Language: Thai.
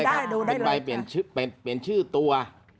ให้ดูได้เลยครับเป็นใบเปลี่ยนชื่อตัว